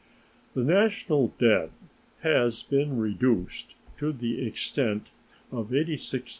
The national debt has been reduced to the extent of $86,057, 126.